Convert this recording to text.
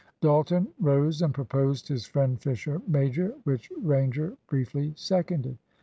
Dalton rose and proposed his friend Fisher major, which Ranger briefly seconded.